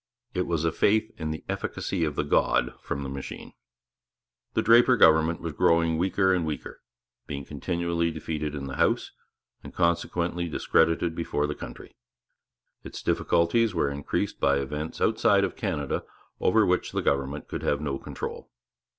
It was a faith in the efficacy of the god from the machine. The Draper government was growing weaker and weaker, being continually defeated in the House, and consequently discredited before the country. Its difficulties were increased by events outside of Canada over which the government could have no control.